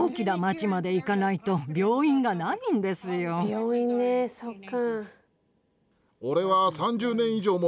病院ねそっか。